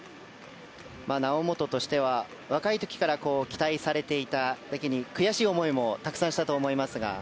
猶本としては若い時から期待されていただけに悔しい思いもたくさんしたと思いますが。